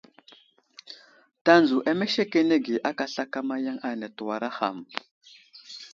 Tanzo amesekenege aka slakama yaŋ ane tewara ham.